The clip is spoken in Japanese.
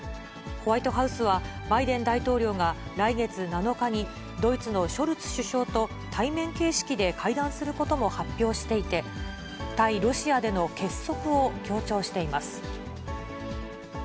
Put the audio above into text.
ホワイトハウスは、バイデン大統領が来月７日に、ドイツのショルツ首相と対面形式で会談することも発表していて、対ロシアでの結束を強調しています。